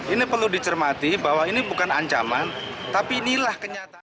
ini perlu dicermati bahwa ini bukan ancaman tapi inilah kenyataan